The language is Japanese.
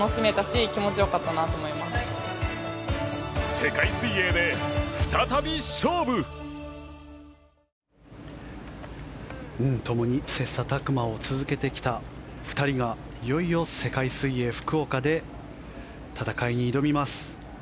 世界水泳で再び勝負！ともに切磋琢磨を続けてきた２人がいよいよ世界水泳福岡で戦いに挑みます。